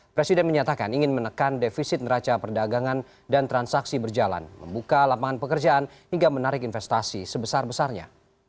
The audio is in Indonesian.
presiden menyatakan ingin menekan defisit neraca perdagangan dan transaksi berjalan membuka lapangan pekerjaan hingga menarik investasi sebesar besarnya